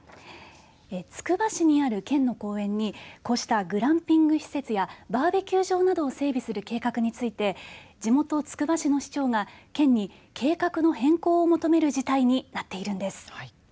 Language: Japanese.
つくば市にある県の公園にこうしたグランピング施設やバーベキュー場などを整備する計画について地元つくば市の市長が県に計画の変更を求める事態になっているんです。